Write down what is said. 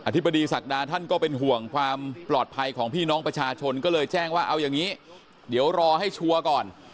ธิบดีศักดาท่านก็เป็นห่วงความปลอดภัยของพี่น้องประชาชนก็เลยแจ้งว่าเอาอย่างนี้เดี๋ยวรอให้ชัวร์ก่อน